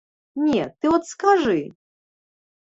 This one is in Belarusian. Не, ты от скажы?